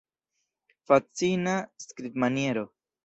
Fascina skribmaniero!